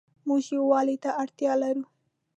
موږ يووالي ته اړتيا لرو